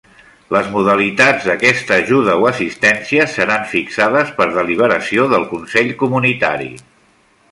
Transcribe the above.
Les modalitats d'aquesta ajuda o assistències seran fixades per deliberació del consell comunitari.